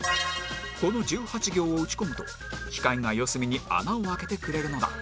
この１８行を打ち込むと機械が四隅に穴を開けてくれるのだ